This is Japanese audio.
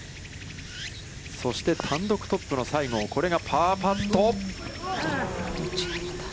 そして単独トップの西郷、これがパーパット。